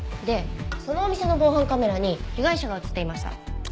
でそのお店の防犯カメラに被害者が映っていました。